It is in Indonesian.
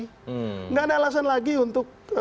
tidak ada alasan lagi untuk